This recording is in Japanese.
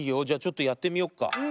じゃちょっとやってみよっか。